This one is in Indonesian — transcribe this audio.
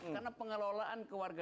karena pengelolaan keluarga